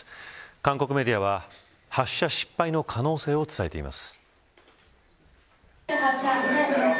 韓国メディアは発射失敗の可能性を伝えています。